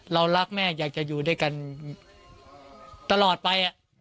เรารักแม่อยากจะอยู่ด้วยกันตลอดไป